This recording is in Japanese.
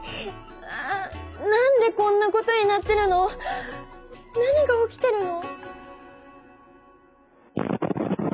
あ何でこんなことになってるの？何が起きてるの？